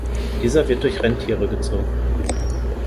Dieser wird durch Rentiere gezogen.